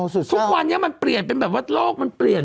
สุดเบ้าทุกวันเปลี่ยนไปกับวัดโลก